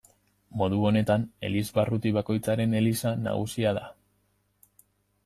Modu honetan, elizbarruti bakoitzaren eliza nagusia da.